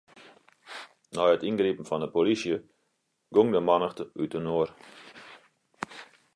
Nei it yngripen fan 'e polysje gong de mannichte útinoar.